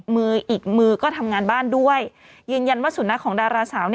มืออีกมือก็ทำงานบ้านด้วยยืนยันว่าสุนัขของดาราสาว